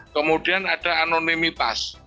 kemudian ada anonimitas